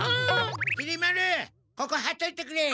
きり丸ここはっといてくれ！